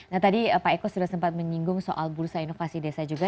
nah tadi pak eko sudah sempat menyinggung soal bursa inovasi desa juga